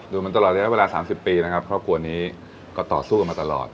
มาตลอดระยะเวลา๓๐ปีนะครับครอบครัวนี้ก็ต่อสู้กันมาตลอด